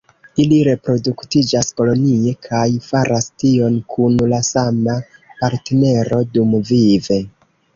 Ili reproduktiĝas kolonie, kaj faras tion kun la sama partnero dumvive.